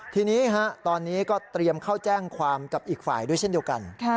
ทีนี้ตอนนี้ก็เตรียมเข้าแจ้งความกับอีกฝ่ายด้วยเช่นเดียวกัน